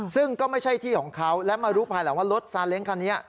ซึ่งก็ไม่ใช่ที่ของเขาและมารู้ภายหลังว่ารถซาเล้งคันนี้